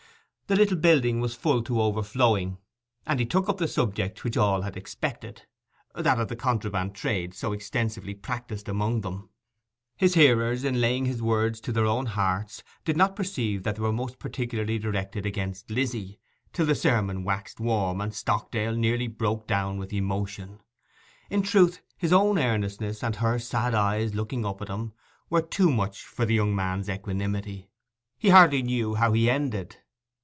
The little building was full to overflowing, and he took up the subject which all had expected, that of the contraband trade so extensively practised among them. His hearers, in laying his words to their own hearts, did not perceive that they were most particularly directed against Lizzy, till the sermon waxed warm, and Stockdale nearly broke down with emotion. In truth his own earnestness, and her sad eyes looking up at him, were too much for the young man's equanimity. He hardly knew how he ended.